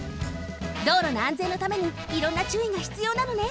道路のあんぜんのためにいろんな注意がひつようなのね。